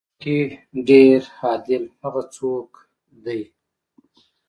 په خپلو کې ډېر عادل هغه څوک دی.